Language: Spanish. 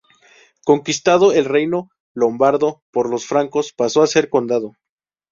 Conquistado el reino lombardo por los francos, pasó a ser condado.